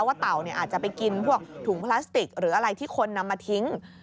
เต่าอาจจะไปกินพวกถุงพลาสติกหรืออะไรที่คนนำมาทิ้ง